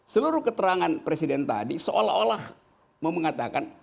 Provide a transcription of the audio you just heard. seluruh keterangan presiden tadi seolah olah mau mengatakan